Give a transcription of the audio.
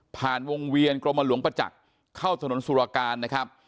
วงเวียนกรมหลวงประจักษ์เข้าถนนสุรการนะครับ